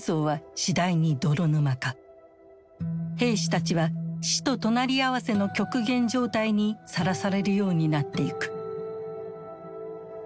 兵士たちは死と隣り合わせの極限状態にさらされるようになっていく。